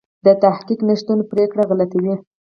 د تحقیق نشتون پرېکړې غلطوي.